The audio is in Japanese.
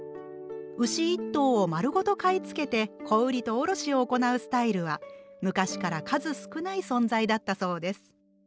牛一頭を丸ごと買い付けて小売りと卸を行うスタイルは昔から数少ない存在だったそうです。